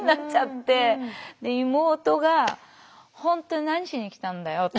で妹が本当に何しに来たんだよっていう。